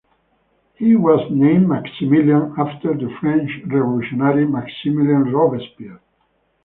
He was named Maximilian after the French revolutionary Maximilien Robespierre.